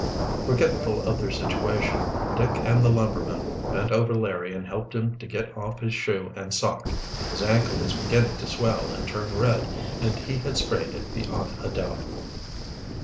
Forgetful of their situation, Dick and the lumberman bent over Larry and helped him to get off his shoe and sock. His ankle was beginning to swell and turn red, and he had sprained it beyond a doubt.